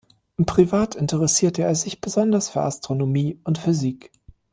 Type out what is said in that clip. Privat interessierte er sich besonders für Astronomie und Physik.